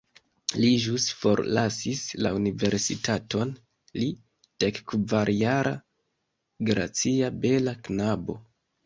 Li ĵus forlasis la universitaton, li, dekkvarjara gracia bela knabo.